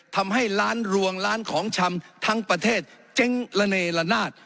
ทำให้ร้านรวงร้านของชำทั้งประเทศเจ๊งระเนละนาด